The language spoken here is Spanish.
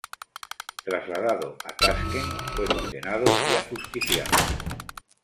Trasladado a Taskent, fue condenado y ajusticiado.